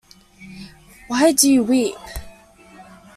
Why do you weep?